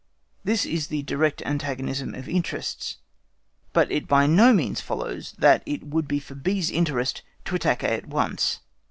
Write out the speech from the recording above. This is the direct antagonism of interests, but it by no means follows that it would be for B's interest to attack A at once.